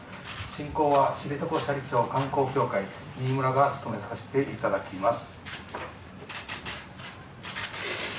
進行は知床斜里町観光協会ニイムラが務めさせていただきます。